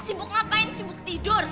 sibuk ngapain sibuk tidur